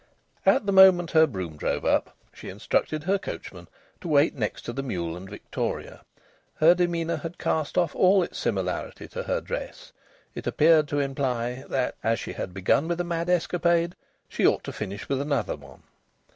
At the moment her brougham drove up. She instructed her coachman to wait next to the mule and victoria. Her demeanour had cast off all its similarity to her dress: it appeared to imply that, as she had begun with a mad escapade, she ought to finish with another one.